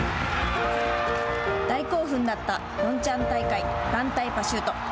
大興奮だったピョンチャン大会団体パシュート。